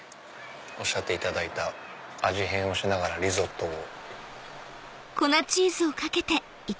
おっしゃっていただいた味変をしながらリゾットを。